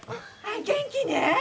元気ね？